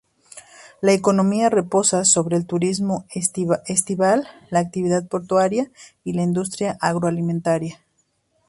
La economía reposa sobre el turismo estival, la actividad portuaria y la industria agroalimentaria.